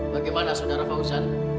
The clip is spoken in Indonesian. bagaimana saudara fauzan